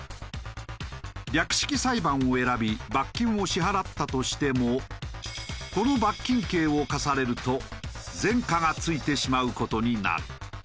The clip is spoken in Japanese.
略式裁判を選び罰金を支払ったとしてもこの罰金刑を科されると前科がついてしまう事になる。